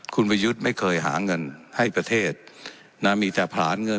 คุณประยุทธ์ไม่เคยหาเงินให้ประเทศนะมีแต่ผลาญเงิน